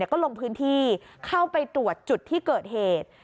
ก็ลงพื้นที่เข้าไปตรวจจุดที่เกิดเหตุ